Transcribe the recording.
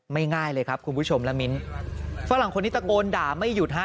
ง่ายเลยครับคุณผู้ชมละมิ้นฝรั่งคนนี้ตะโกนด่าไม่หยุดฮะ